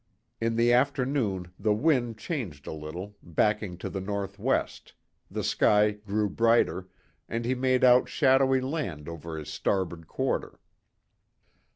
In the afternoon, the wind changed a little, backing to the north west; the sky grew brighter, and he made out shadowy land over his starboard quarter.